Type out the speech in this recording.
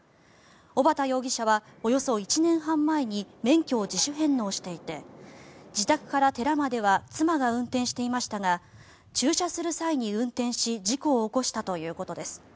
小畠容疑者は、およそ１年半前に免許を自主返納していて自宅から寺までは妻が運転していましたが駐車する際に運転し事故を起こしたということです。